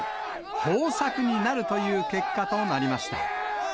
豊作になるという結果となりました。